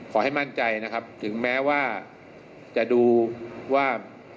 ขอให้มั่นใจนะครับถึงแม้ว่าจะดูว่า